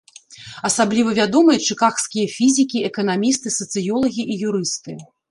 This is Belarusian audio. Асабліва вядомыя чыкагскія фізікі, эканамісты, сацыёлагі і юрысты.